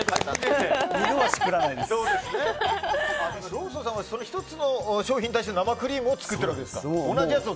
ローソンさんは１つの商品に対して生クリームを作っているわけですか。